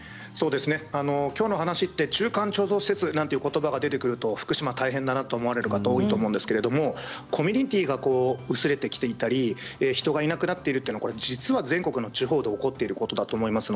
きょうの話は中間貯蔵施設なんていうことばが出てくると、福島大変だなと思われる方多いと思うんですけれどもコミュニティーが薄れてきていたり人がいなくなっているというのは全国の地方で起こっていることだと思います。